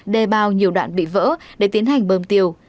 đề bao nhiều đoạn bị vỡ để tiến hành bơm tiêu